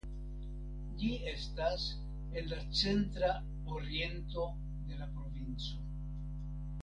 Ĝi estas en la centra oriento de la provinco.